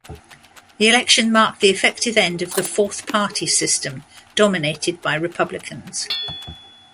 The election marked the effective end of the Fourth Party System, dominated by Republicans.